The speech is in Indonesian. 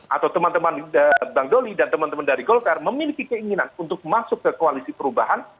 atau teman teman bang doli dan teman teman dari golkar memiliki keinginan untuk masuk ke koalisi perubahan